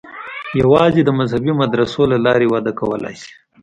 یوازې د مذهبي مدرسو له لارې وده کولای شي.